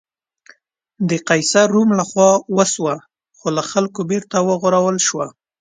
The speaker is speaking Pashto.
د قیصر روم له خوا وسوه، خو له خلکو بېرته ورغول شوه.